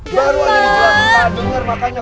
baru aja kita denger makanya